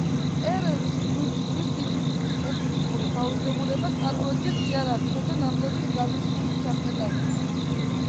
ერევნის მღვიმის ქვის ინდუსტრიის სპეციფიკური თავისებურებას წარმოადგენს იარაღისა და ნამზადის გამიზნული ფრაგმენტაცია.